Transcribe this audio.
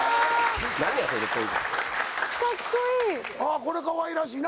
これかわいらしいな！